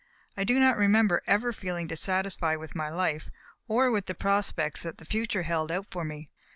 I do not remember ever feeling dissatisfied with my life or with the prospects that the future held out for me.